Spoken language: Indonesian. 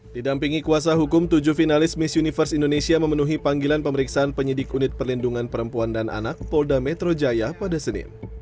didampingi kuasa hukum tujuh finalis miss universe indonesia memenuhi panggilan pemeriksaan penyidik unit perlindungan perempuan dan anak polda metro jaya pada senin